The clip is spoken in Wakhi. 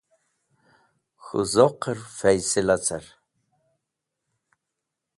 K̃hũ zoqẽr faysila car.